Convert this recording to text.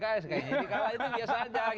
jadi kalah itu biasa saja